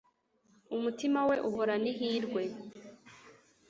umutima we uhorana ihirwe